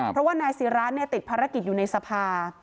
เพราะว่านายศิราติดภารกิจอยู่ในสภา